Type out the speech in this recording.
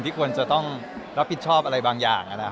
ควรจะต้องรับผิดชอบอะไรบางอย่าง